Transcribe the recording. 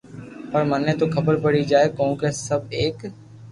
پر مني تو خبر پڙي جائين ڪونڪھ سب ايڪ